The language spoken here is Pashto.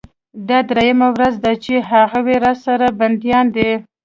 دا درېيمه ورځ ده چې هغوى راسره بنديان دي.